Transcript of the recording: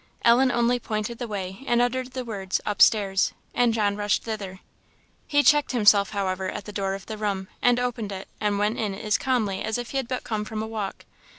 Ellen only pointed the way and uttered the words, "upstairs," and John rushed thither. He checked himself, however, at the door of the room, and opened it, and went in as calmly as if he had but come from a walk.